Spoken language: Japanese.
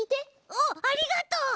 あっありがとう！